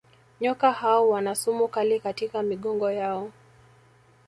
Nyoka hao wana sumu kali katika migongo yao